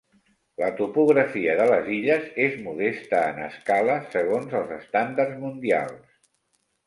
La topografia de les illes és modesta en escala segons els estàndards mundials.